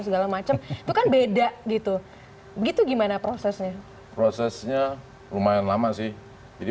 segala macem bukan beda gitu gitu gimana prosesnya prosesnya lumayan lama sih jadi